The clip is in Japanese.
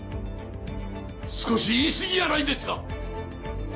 少し言い過ぎやないんですか！